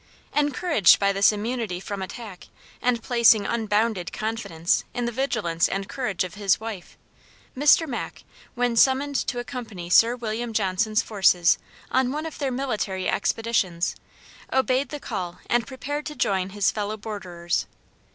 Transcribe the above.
Encouraged by this immunity from attack, and placing unbounded confidence in the vigilance and courage of his wife, Mr. Mack, when summoned to accompany Sir William Johnson's forces on one of their military expeditions, obeyed the call and prepared to join his fellow borderers.